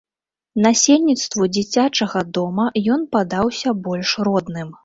Насельніцтву дзіцячага дома ён падаўся больш родным.